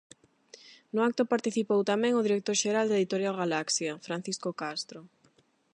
No acto participou tamén o director xeral da Editorial Galaxia, Francisco Castro.